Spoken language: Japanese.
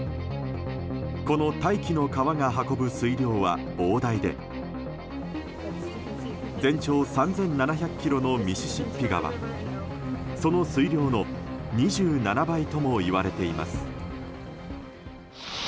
この大気の川が運ぶ水量は膨大で全長３７００ｋｍのミシシッピ川その水量の２７倍ともいわれています。